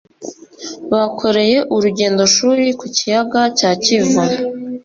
bakoreye urugendoshuri ku Kiyaga cya Kivu